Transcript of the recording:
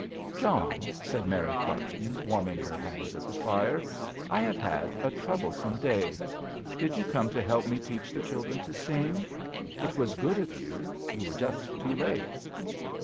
"John," said Mary Carton, warming her hands at the fire, " I have had a troublesome day. Did you come to help me teach the children to sing ? It was good of you : you were just too late."